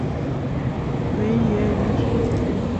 维耶于佐。